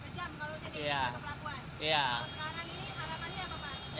sejam kalau jadi ke pelabuhan